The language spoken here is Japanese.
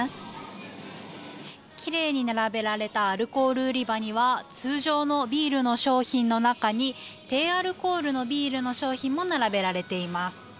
奇麗に並べられたアルコール売り場には通常のビールの商品の中に低アルコールのビールの商品も並べられています。